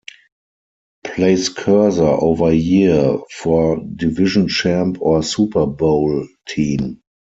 Place cursor over year for division champ or Super Bowl team.